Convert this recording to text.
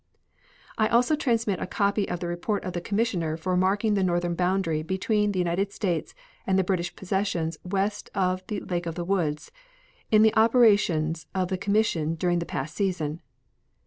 I also transmit a copy of the report of the commissioner for marking the northern boundary between the United States and the British possessions west of the Lake of the Woods, of the operations of the commission during the past season.